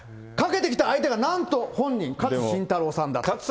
かけてきた相手がなんと、本人、勝新太郎さんだった。